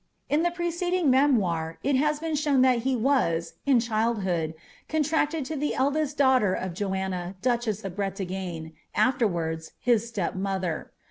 In the preceding memoir it has been shown that he was. in child hood, contracted to the eldest daiii; hier of Joanna, dnche«s ■•! Hiriiiriit, aAerwards his atep molher.